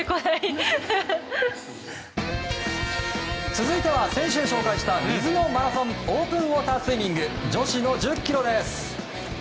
続いては、先週紹介した水のマラソンオープンウォータースイミング女子の１０ｋｍです。